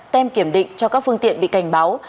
tem kiểm định cho các phương tiện bị cảnh báo